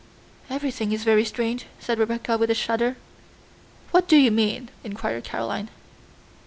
"Everything is very strange," said Rebecca with a shudder. "What do you mean?" inquired Caroline.